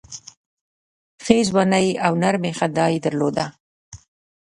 ښې ځواني او نرمي خندا یې درلوده.